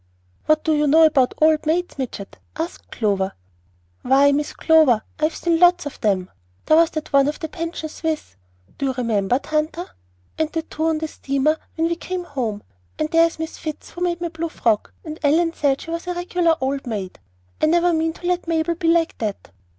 "What do you know about old maids, midget?" asked Clover. "Why, Miss Clover, I have seen lots of them. There was that one at the Pension Suisse; you remember, Tanta? And the two on the steamer when we came home. And there's Miss Fitz who made my blue frock; Ellen said she was a regular old maid. I never mean to let Mabel be like that."